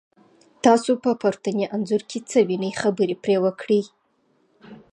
تاسو په پورتني انځور کې څه وینی، خبرې پرې وکړئ؟